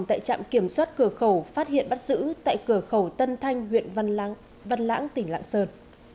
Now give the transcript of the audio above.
tại trạm kiểm soát cửa khẩu phát hiện bắt giữ tại cửa khẩu tân thanh huyện văn lãng tỉnh lạng sơn